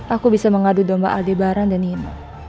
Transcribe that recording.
aku bisa mengadu domba aldebaran dan nino